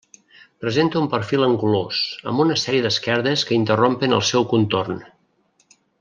Presenta un perfil angulós, amb una sèrie d'esquerdes que interrompen el seu contorn.